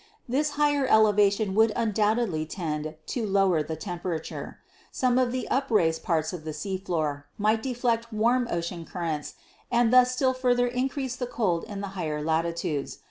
This higher elevation would undoubtedly tend to lower the tem perature. Some of the upraised parts of the sea floor might deflect warm ocean currents and thus still further increase the cold in the higher latitudes.